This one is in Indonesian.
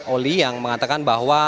oli yang mengatakan bahwa